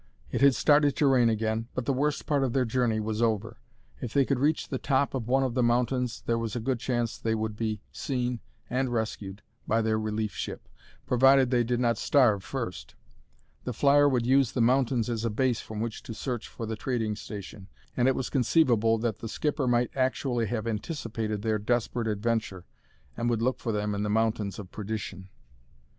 It had started to rain again, but the worst part of their journey was over. If they could reach the top of one of the mountains there was a good chance that they would be seen and rescued by their relief ship, provided they did not starve first. The flyer would use the mountains as a base from which to search for the trading station, and it was conceivable that the skipper might actually have anticipated their desperate adventure and would look for them in the Mountains of Perdition.